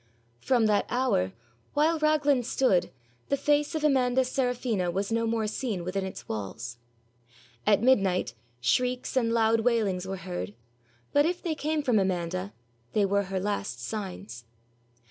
From that hour, while Raglan stood, the face of Amanda Serafina was no more seen within its walls. At midnight shrieks and loud wailings were heard, but if they came from Amanda, they were her last signs.